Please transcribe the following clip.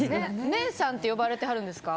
姉さんって呼ばれてはるんですか？